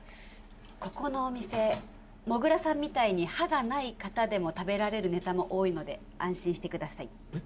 ここのお店もぐらさんみたいに歯がない方でも食べられるネタも多いので安心してくださいえっ？